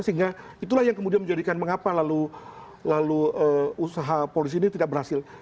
sehingga itulah yang kemudian menjadikan mengapa lalu usaha polisi ini tidak berhasil